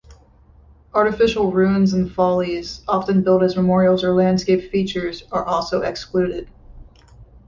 Artificial ruins and follies, often built as memorials or landscape features, are also excluded.